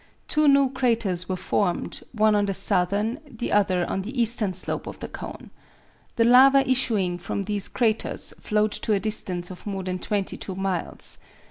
Two new craters were formed, one on the southern, the other on the eastern slope of the cone. The lava issuing from these craters flowed to a distance of more than twenty two miles.